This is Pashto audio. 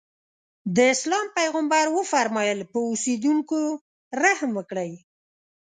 د اسلام پیغمبر وفرمایل په اوسېدونکو رحم وکړئ.